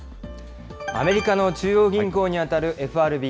アメリカの中央銀行に当たるＦＲＢ。